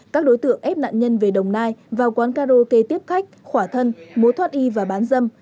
các đối tượng ép nạn nhân về đồng nai vào quán karaoke tiếp khách khỏa thân mua thoát y và bán dâm